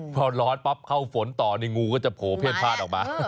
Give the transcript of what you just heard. พอร้อนปั๊บเข้าฝนต่อนี่งูก็จะโผล่เพ่นพลาดออกมา